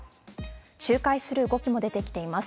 仲介する動きも出てきています。